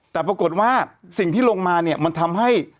แต่ปรากฏว่าสิ่งที่ลงมาเนี่ยมันทำให้